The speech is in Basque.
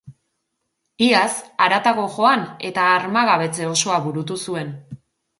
Iaz haratago joan eta armagabetze osoa burutu zuen.